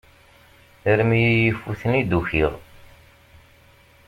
Armi i yi-ifuten i d-ukiɣ.